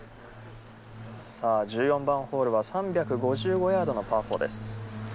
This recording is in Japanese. さあ１４番ホールは３５５ヤードのパー４です。